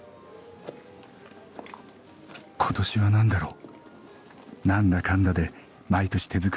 今年はなんだろう？